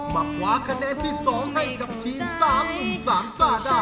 มาคว้าคะแนนที่๒ให้กับทีม๓หนุ่มสามซ่าได้